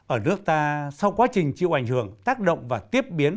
ở nước ta sau quá trình chịu ảnh hưởng tác động và tiếp biến